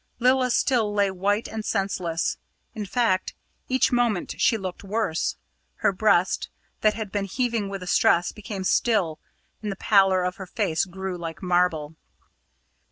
Lilla still lay white and senseless. In fact, each moment she looked worse; her breast, that had been heaving with the stress, became still, and the pallor of her face grew like marble.